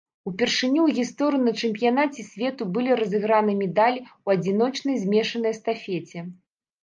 Упершыню ў гісторыі на чэмпіянаце свету былі разыграны медалі ў адзіночнай змешанай эстафеце.